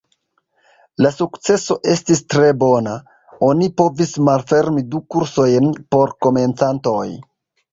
La sukceso estis tre bona; oni povis malfermi du kursojn por komencantoj.